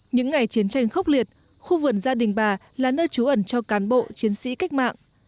những ngày chiến tranh khốc liệt khu vườn gia đình bà là nơi trú ẩn cho cán bộ chiến sĩ cách mạng